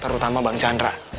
terutama bang chandra